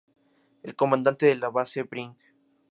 El comandante de la base Brig.